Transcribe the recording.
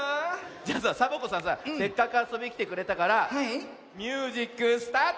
じゃあさサボ子さんさせっかくあそびにきてくれたからミュージックスタート！